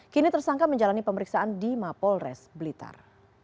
kini tersangka menjalani pemeriksaan di mapolres blitar